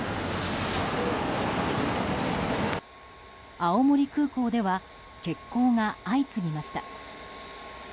青森空港では欠航が相次ぎました。